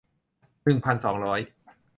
หนึ่งพันสองร้อย